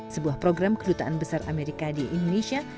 sebuah program kedutaan besar amerika di indonesia